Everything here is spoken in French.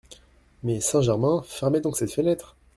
Mais, Saint-Germain, fermez donc cette fenêtre…